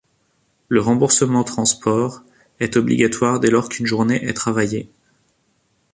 Le remboursement transport est obligatoire dès lors qu’une journée est travaillée.